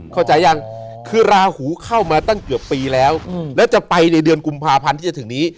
เข้าใจยังคือราหูเข้ามาตั้งเกือบปีแล้วแล้วจะไปในเดือนกุมภาพันธ์ที่จะถึงนี้